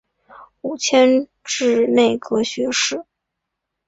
五迁至内阁学士。